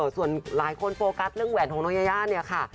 ส่วนหลายคนโฟกัสเรื่องแหวนของน้องยายาเนี่ยค่ะ